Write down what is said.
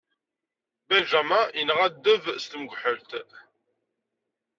Benjamin yenɣa ddeb s tmukḥelt.